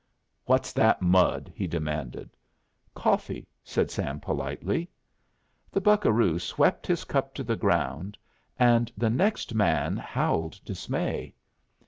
"What's that mud?" he demanded. "Coffee," said Sam, politely. The buccaroo swept his cup to the ground, and the next man howled dismay.